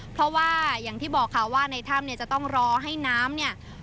เพราะว่าอย่างที่บอกค่ะว่าในถ้ำจะต้องรอให้น้ำ